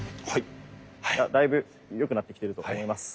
だいぶよくなってきてると思います。